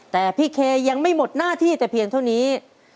แต่พี่เคยังไม่หมดหน้าที่แต่เพียงเท่านี้